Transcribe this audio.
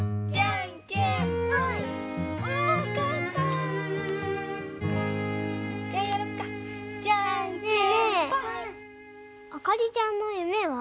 あかりちゃんの夢は？